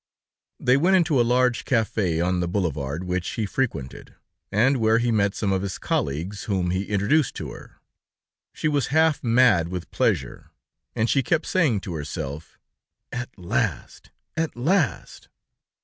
They went into a large café on the boulevard which he frequented, and where he met some of his colleagues, whom he introduced to her. She was half mad with pleasure, and she kept saying to herself: "At last! At last!"